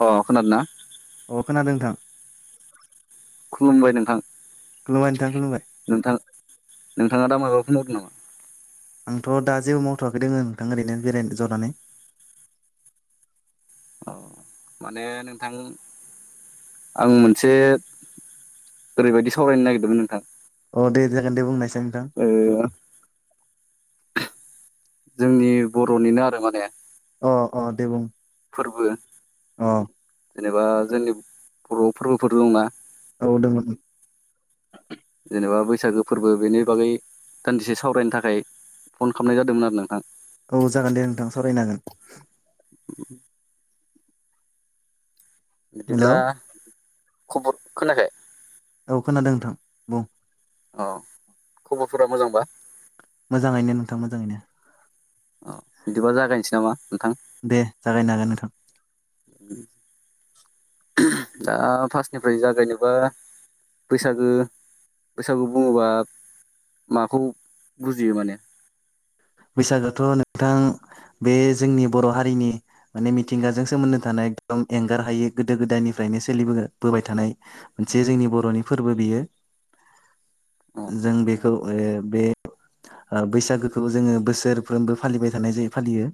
अ खोनादोना? अ खोनादों नोंथां खुलुमबाय नोंथां। खुलुमबाय नोंथां खुलुमबाय। थाङा दा माबाफोर मावदो नामा? आंथ' दा जेबो मावथ'वाखै दोङो नोंथां ओरैनो बेराय जनानै। अ माने नोंथां आं मोनसे ओरैबायदि सावरायनो नागिरदोंमोन नोंथां। अ दे जागोन दे बुंनायसाय नोंथां। ओ जोंनि बर'निनो आरो माने अ अ दे बुं। फोरबो। अ। जेनेबा जोंनि बर' फोरबोफोर दंना। औ दोंमोन। जेनेबा बैसागो फोरबो बेनि बागै दान्दिसे सावरायनो थाखाय फन खालामनाय जादोंमोन आरो नोंथां। औ जागोन दे नोंथां सावरायनो हागोन [inaudible] हेलौ बिदिब्ला खबर खोनायाखै? औ खोनादों नोंथां बुं। अ खबरफोरा मोजांबा? मोजाङैनो नोंथां मोजाङैनो। अ बिदिबा जागायनोसै नामा नोंथां दे जागायनो हागोन नोंथां। [inaudible] दा फार्स्टनिफ्राय जागायनोबा बैसागो बैसागो बुङोबा माखौ बुजियो माने बैसागोथ' नोंथां बे जोंनि बर' हारिनि माने मिथिंगाजों सोमोन्दो थानाय एकदम एंगार हायि गोदो गोदायनिफ्राय नो सोलि बोबाय थानाय मोनसे जोंनि बर'नि फोरबो बियो। अ जों बेखौ ओ बे ओ बैसागोखौ जोङो बोसोरफ्रोमबो फालिबाय थानाय जायो फालियो।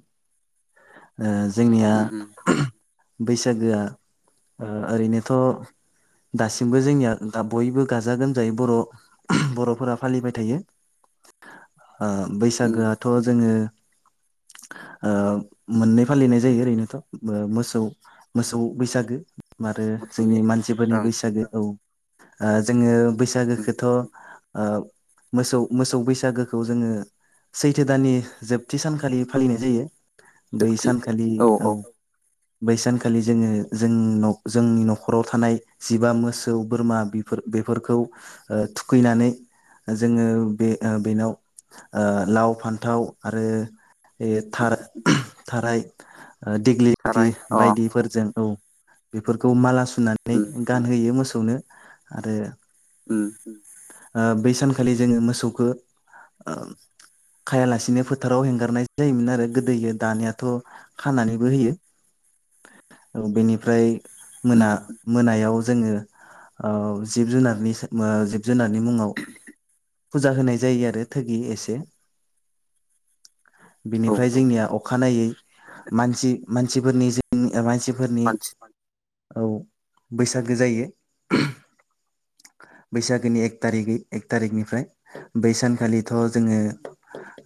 ओ जोंनिया उम उम बैसागोआ ओ ओरैनोथ' दासिमबो जोंनिया दा बयबो गाजा गोमजायै बर' बर'फोरा फालिबाय थायो। [inaudible] ओ उम बैसागोआथ' जोङो ओ मोननै फालिनाय जायो ओरैनोथ' बो मोसौ मोसौ बैसागो। आरो मोसौनि जोंनि मानसिफोरनि ओं बैसागो औ ओ जोङो उम बैसागोखौथ' ओ मोसौ मोसौ बैसा सागोखौ जोङो सैथो दाननि जोबथि सानखालि फालिनाय जायो। बै जोबथि सानखालि औ। बै सानखालि जोङो जों जोंनि न'खराव थानाय जिबा मोसौ बोरमा बेफोर बेफोरखौ थुखैनानै जोङो बे ओ बेनाव ओ लाव फानथाव आरो बे थार उम थाराइ ओ दिग्लि लिथि थाराय अ बायदिफोरजों औ बेफोरखौ माला सु नानै उम गानहोयो मोसौनो आरो उम। बै सानखालि जोङो मोसौखो खायालासेनो फोथाराव हेंगारनाय जायोमोन आरो गोदोयो दानियाथ' खानानैबो होयो बेनिफ्राय उम मोना मोनायाव जोङो ओ जिब जुनारनि जिब जुनारनि मुङाव फुजा होनाय जायगा आरो [unintelligible] इसे औ बिनिफ्राय जोंनिया अखानायै मानसि मानसिफोरनि जे मानसिफोरनि मानसि औ बैसागो जायो बैसागोनि एक थारिगै एक थारिखनिफ्राय बै सानखालिथ' जोङो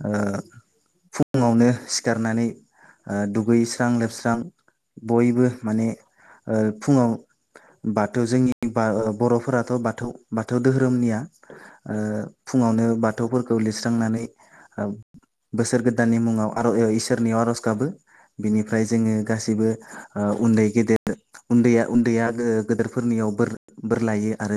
ओ फुङावनो सिखारनानै ओ दुगैस्रां लोबस्रां बयबो माने ओ फुङाव बाथौ जोंनि बर'फोरा बाथौ बाथौ बाथौ दोहोरोमनिया फुङावनो ओ बाथौफोरखौ लिरस्रांनानै बोसोर गोदाननि मुङाव इसोरनियाव आर'ज गाबो बिनिफ्राय जोङो गासैबो ओ उनदै गेदेर उनदैया उनदैया गोदोरफोरनियाव बोर बोर लायो आरो